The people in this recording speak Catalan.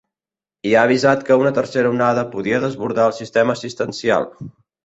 I ha avisat que una tercera onada podia desbordar el sistema assistencial.